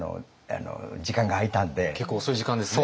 結構遅い時間ですね。